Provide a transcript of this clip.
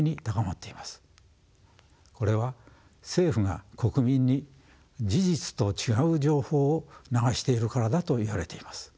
これは政府が国民に事実と違う情報を流しているからだといわれています。